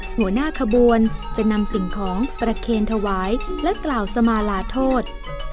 หัวหน้าขบวนจะนำสิ่งของประเคนถวายและกล่าวสมาลาโทษ